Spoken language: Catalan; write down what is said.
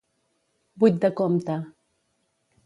Buit de compte.